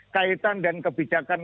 kaitan dan kebijakan